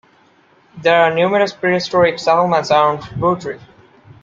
There are numerous prehistoric settlements around Boudry.